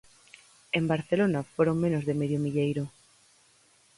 En Barcelona foron menos de medio milleiro.